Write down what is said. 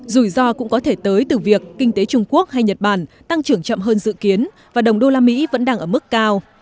rủi ro cũng có thể tới từ việc kinh tế trung quốc hay nhật bản tăng trưởng chậm hơn dự kiến và đồng đô la mỹ vẫn đang ở mức cao